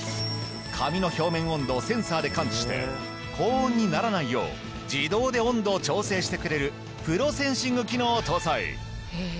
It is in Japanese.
髪の表面温度をセンサーで感知して高温にならないよう自動で温度を調整してくれるプロセンシング機能を搭載！